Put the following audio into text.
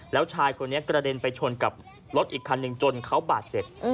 แล้วชายคนนี้กระเด็นไปชนกับรถอีกคันหนึ่งจนเขาบาดเจ็บ